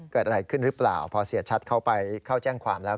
เกิดอะไรขึ้นหรือเปล่าพอเสียชัดเข้าไปเข้าแจ้งความแล้ว